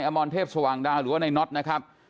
หมายอมรเทพศวังดาหรือว่าในน็อตนะครับ